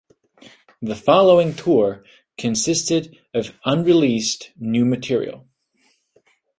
The following tour consisted of unreleased new material.